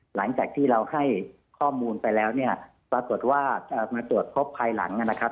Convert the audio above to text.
หลังจากที่เราให้ข้อมูลไปแล้วเนี่ยปรากฏว่ามาตรวจพบภายหลังนะครับ